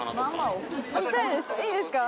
いいですか？